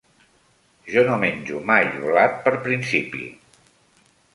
Jo no menjo mai blat per principi.